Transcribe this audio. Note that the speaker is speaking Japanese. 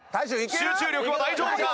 集中力は大丈夫か？